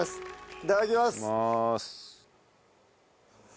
いただきます。